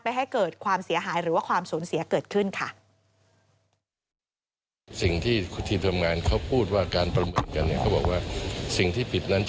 ให้เกิดความเสียหายหรือว่าความสูญเสียเกิดขึ้นค่ะ